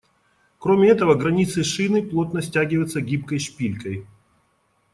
Кроме этого, границы шины плотно стягиваются гибкой шпилькой.